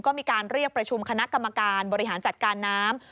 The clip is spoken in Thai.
ก็มีการเรียกประชุมคณะกรรมการบริหารจัดการน้ำ